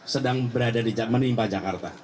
sedang berada di menimpa jakarta